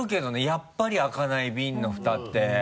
やっぱり開かないビンのフタって。